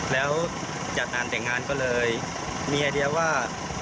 แล้วจัดงานแต่งงานก็เลยมีไอเดียว่า